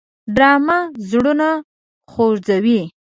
ډرامه زړونه خوځوي